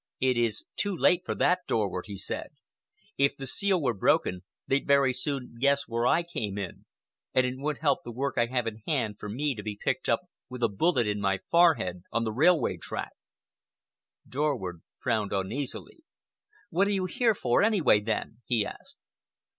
"It is too late for that, Dorward," he said. "If the seal were broken, they'd very soon guess where I came in, and it wouldn't help the work I have in hand for me to be picked up with a bullet in my forehead on the railway track." Dorward frowned uneasily. "What are you here for, anyway, then?" he asked.